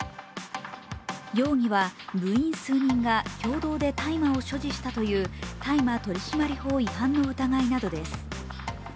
容疑は部員数人が共同で大麻を所持したという大麻取締法違反の疑いなどです。